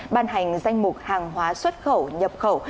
ban hành danh mục hàng hóa xuất khẩu nhập khẩu